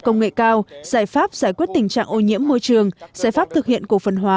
công nghệ cao giải pháp giải quyết tình trạng ô nhiễm môi trường giải pháp thực hiện cổ phần hóa